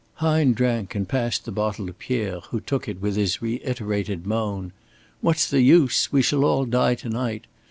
Hine drank and passed the bottle to Pierre, who took it with his reiterated moan: "What's the use? We shall all die to night.